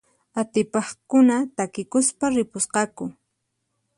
Atipaqkuna takikuspa ripusqaku.